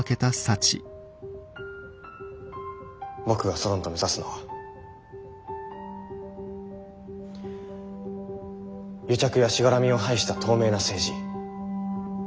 僕がソロンと目指すのは癒着やしがらみを排した透明な政治。